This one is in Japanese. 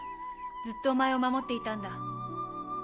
ずっとお前を守っていたんだ。